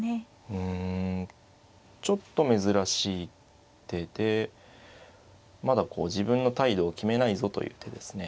うんちょっと珍しい手でまだこう自分の態度を決めないぞという手ですね。